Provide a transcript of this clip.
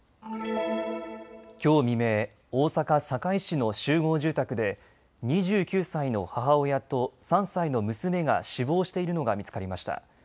きょう未明、大阪堺市の集合住宅で２９歳の母親と３歳の娘が死亡しているのが見つかりました。